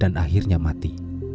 dan akhirnya mati